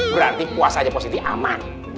berarti puasanya pos siti aman